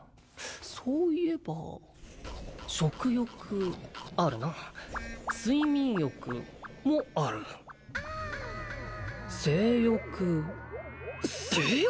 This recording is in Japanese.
そういえば食欲あるな睡眠欲もある性欲性欲！？